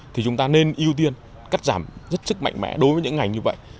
thì chúng ta nên ưu tiên cắt giảm rất sức mạnh mẽ đối với những ngành như vậy